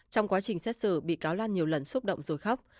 trong quá trình xét xử bị cáo lan nhiều lần xúc động rồi khóc